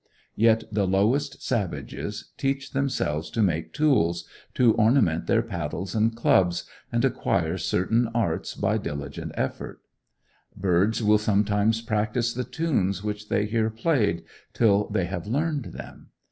Yet the lowest savages teach themselves to make tools, to ornament their paddles and clubs, and acquire certain arts by diligent effort. Birds will sometimes practice the tunes which they hear played, till they have learned them.